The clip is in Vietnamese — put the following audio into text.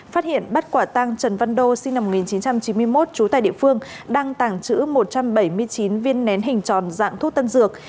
phát hiện bắt quả tăng trần văn đô sinh năm một nghìn chín trăm chín mươi một trú tại địa phương đang tàng trữ một trăm bảy mươi chín viên nén hình tròn dạng thuốc tân dược